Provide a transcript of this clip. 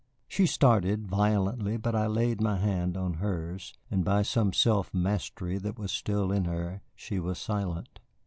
She started violently, but I laid my hand on hers, and by some self mastery that was still in her she was silent.